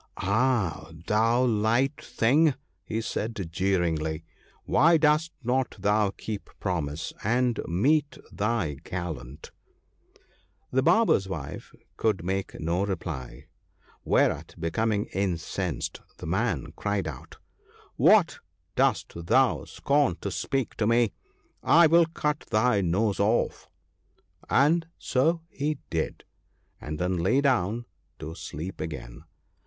* Ah ! thou light thing !' he said jeeringly, 'why dost not thou keep promise, and meet thy gallant ?' The Barber's wife could make no reply; whereat becoming incensed, the man cried out, ' What ! dost thou scorn to speak to me ? I will cut thy nose off( 63 )!' And so he did, and then lay down to sleep again.